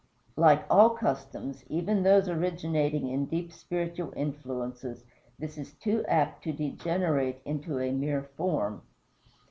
Like all customs, even those originating in deep spiritual influences, this is too apt to degenerate into a mere form.